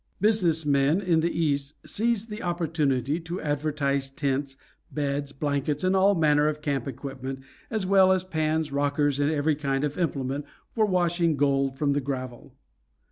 Business men in the East seized the opportunity to advertise tents, beds, blankets, and all manner of camp equipment, as well as pans, rockers, and every kind of implement for washing gold from the gravel.